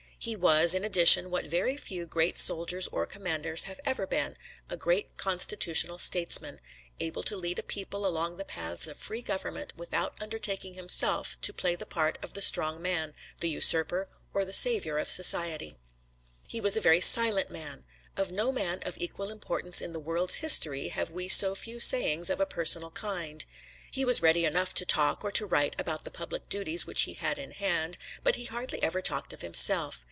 He was, in addition, what very few great soldiers or commanders have ever been, a great constitutional statesman, able to lead a people along the paths of free government without undertaking himself to play the part of the strong man, the usurper, or the savior of society. He was a very silent man. Of no man of equal importance in the world's history have we so few sayings of a personal kind. He was ready enough to talk or to write about the public duties which he had in hand, but he hardly ever talked of himself.